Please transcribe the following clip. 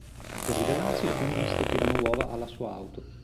Per ribellarsi, le femministe tirano uova alla sua auto.